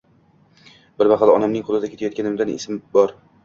Bir mahal onamning qo‘lida ketayotganim esimda bor.